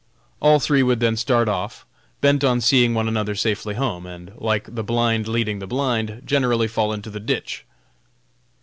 All three would then start off, bent on seeing one another safely home, and, like the blind leading the blind, generally fall into the ditch.